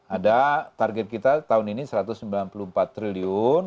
ada target kita tahun ini satu ratus sembilan puluh empat triliun